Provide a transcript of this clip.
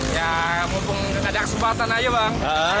ya mumpung ada kesempatan aja bang